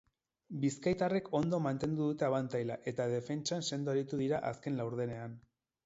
Bizkaitarrek ondo mantendu dute abantaila eta defentsan sendo aritu dira azken laurdenean.